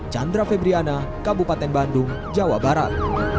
chandra febriana kabupaten bandung jawa barat